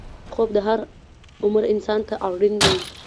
خوب د هر عمر انسان ته اړین دی